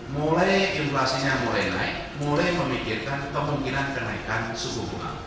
mulai inflasinya mulai naik mulai memikirkan kemungkinan kenaikan suku bunga